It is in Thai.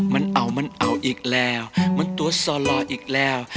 มันเอามันเอาอีกแล้วมันตัวซอลออีกแล้ว